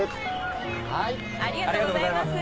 ありがとうございます。